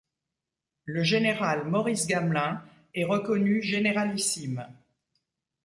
Le général Maurice Gamelin est reconnu généralissime.